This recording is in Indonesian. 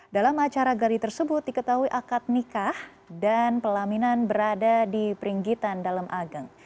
dalam acara gari tersebut diketahui akad nikah dan pelaminan berada di peringgitan dalem ageng